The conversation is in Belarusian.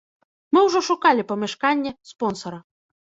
Мы ўжо шукалі памяшканне, спонсара.